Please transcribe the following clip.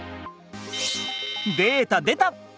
データでた！